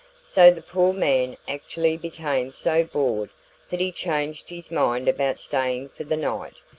So the poor man actually became so bored that he changed his mind about staying for the night.